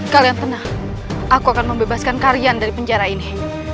kalian tenang aku akan membebaskan kalian dari penjara ini